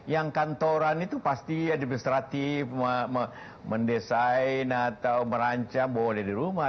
yang kantoran itu pasti administratif mendesain atau merancang boleh di rumah